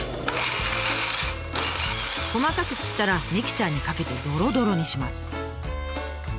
細かく切ったらミキサーにかけてドロドロにします。